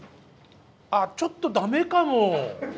あちょっとダメかも。